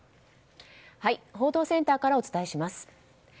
報道センターからお伝えします。